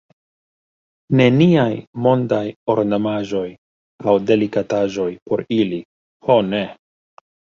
Neniaj mondaj ornamaĵoj aŭ delikataĵoj por ili, ho ne!